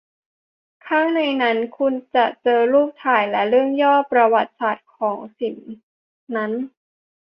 ข้างในนั้น คุณจะเจอรูปถ่ายและเรื่องย่อประวัติศาสตร์ของของสินนั้น